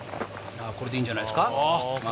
これでいいんじゃないですか？